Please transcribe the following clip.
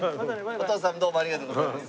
お父さんどうもありがとうございます。